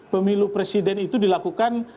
pemilu presiden itu dilakukan